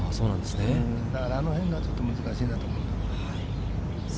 だから、あのへんがちょっと難しいのだと思います。